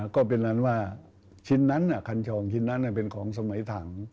ก็เป็นนั้นว่าชิ้นนั้นคันชองชิ้นนั้นเป็นของสมัยถัง